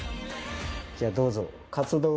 じゃあどうぞ。